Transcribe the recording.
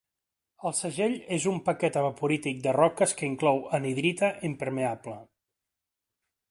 El segell és un paquet evaporític de roques que inclou anhidrita impermeable.